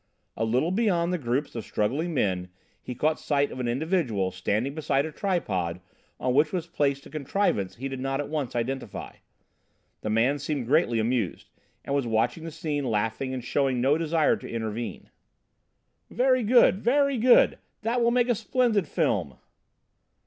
A little beyond the groups of struggling men he caught sight of an individual standing beside a tripod on which was placed a contrivance he did not at once identify. The man seemed greatly amused, and was watching the scene laughing and showing no desire to intervene. "Very good! Very good! That will make a splendid film!"